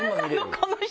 この人！